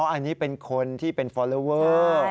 อ๋ออันนี้เป็นคนที่เป็นฟอร์เลเวอร์